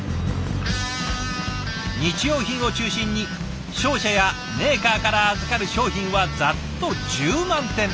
日用品を中心に商社やメーカーから預かる商品はざっと１０万点。